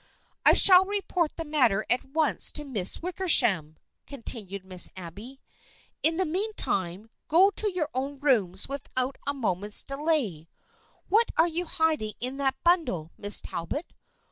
" I shall report the matter at once to Miss Wick ersham," continued Miss Abby. " In the mean time go to your own rooms without a moment's delay. What are you hiding in that bundle, Miss Talbot?